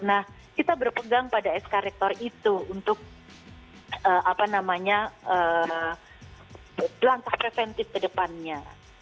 nah kita berpegang pada sk rektor itu untuk langkah preventif ke depannya